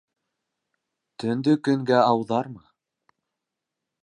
Төндө көнгә ауҙарма.